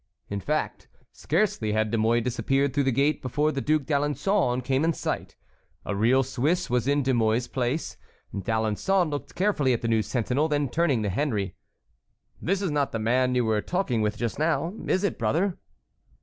In fact, scarcely had De Mouy disappeared through the gate before the Duc d'Alençon came in sight. A real Swiss was in De Mouy's place. D'Alençon looked carefully at the new sentinel; then turning to Henry: "This is not the man you were talking with just now, is it, brother?"